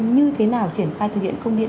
như thế nào triển khai thực hiện công điện